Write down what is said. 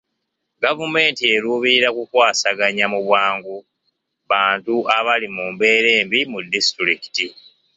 Gavumenti eruubirira kukwasaganya mu bwangu bantu abali mu mbeera embi mu disitulikiti.